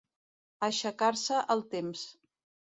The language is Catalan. Aixecar-se el temps.